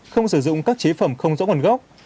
không sử dụng các chế phẩm không rõ nguồn gốc